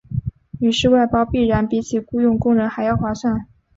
于是外包必然比起雇用工人还要划算。